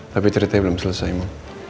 tapi ceritanya belum selesai mbak